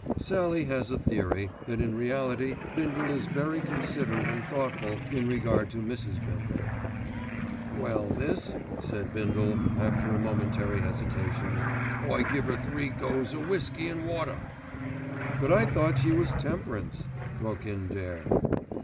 Sallie has a theory that in reality Bindle is very considerate and thoughtful in regard to Mrs. Bindle. "Well, miss," said Bindle after a momentary hesitation, "I give 'er three goes o' whisky an' water." "But I thought she was temperance," broke in Dare.